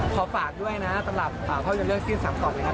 ขอฝากด้วยนะตำรับเพราะว่าเรื่องเลือกสิ้นสามต่อไปนะ